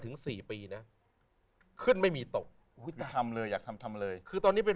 ถึงสี่ปีนะขึ้นไม่มีตกอุ้ยทำเลยอยากทำทำเลยคือตอนนี้เป็น